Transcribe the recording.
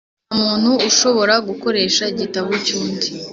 Nta muntu ushobora gukoresha igitabo cy’ undi